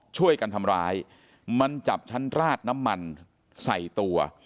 ช่วยกันทำร้ายมันจับชั้นราดน้ำมันใส่ตัว